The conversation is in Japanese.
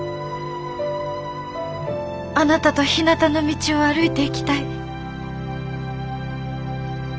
あなたとひなたの道を歩いていきたい。